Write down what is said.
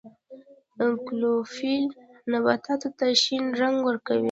کلوروفیل نباتاتو ته شین رنګ ورکوي